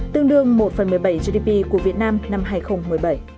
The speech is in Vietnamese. tương đương một một mươi bảy gdp của việt nam năm hai nghìn một mươi bảy